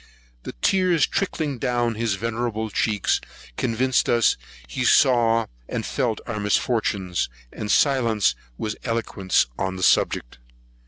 The tears trickling down his venerable cheeks convinced us he saw and felt our misfortunes; and silence was eloquence on the subject.